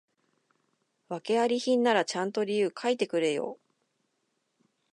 訳あり品ならちゃんと理由書いてくれよ